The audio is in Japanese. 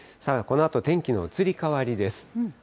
このあと、天気の移り変わりです。